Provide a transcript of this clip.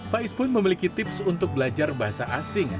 faiz pun memiliki tips untuk belajar bahasa asing